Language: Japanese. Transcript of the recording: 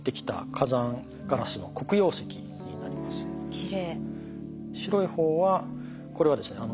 きれい。